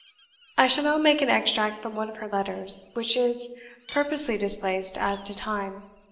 I shall now make an extract from one of her letters, which is purposely displaced as to time.